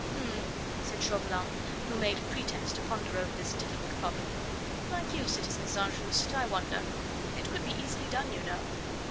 "H'm!" said Chauvelin, who made pretence to ponder over this difficult problem; "like you, citizen St. Just, I wonder " "It could easily be done, you know."